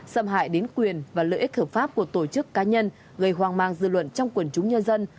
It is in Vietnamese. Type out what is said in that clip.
xâm hại đến quyền và lợi ích hợp pháp của tổ chức cá nhân gây hoang mang dư luận trong quần chúng nhân dân